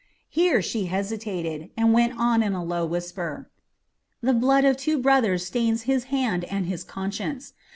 Here she hesitated, and went on in a low whisper: "The blood of two brothers stains his hand and his conscience.